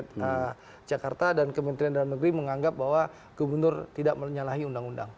pemerintah jakarta dan kementerian dalam negeri menganggap bahwa gubernur tidak menyalahi undang undang